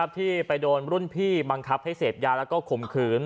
ที่ไปโดนรุ่นพี่บังคับให้เสพยาแล้วก็ข่มขืน